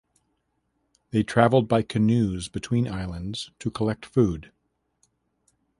They traveled by canoes between islands to collect food.